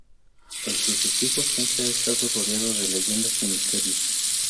El Crucifijo siempre ha estado rodeado de leyendas y misterios.